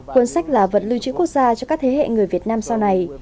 cuốn sách là vật lưu trữ quốc gia cho các thế hệ người việt nam sau này